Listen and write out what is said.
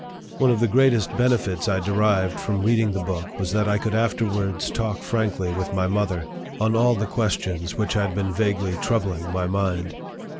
One of the greatest benefits I derived from reading the book was that I could afterwards talk frankly with my mother on all the questions which had been vaguely troubling my mind.